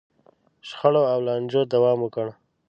شخړو او لانجو دوام وکړ.